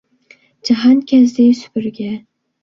جاھانكەزدى سۈپۈرگە